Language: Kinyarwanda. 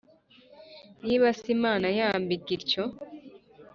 Niba se Imana yambika ityo